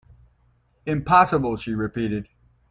"Impossible," she repeated.